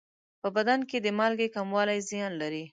په بدن کې د مالګې کموالی زیان لري.